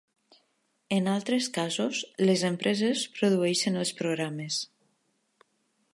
En altres casos, les empreses produeixen els programes.